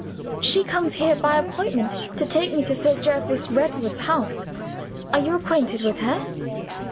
"She comes here by appointment, to take me to Sir Jervis Redwood's house. Are you acquainted with her?"